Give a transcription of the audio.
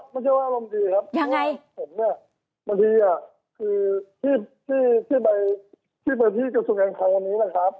ไม่ใช่ว่าอารมณ์ดีครับว่าผมนี่ปกติสิไปที่กระทุกงานของวันนี้แหละครับ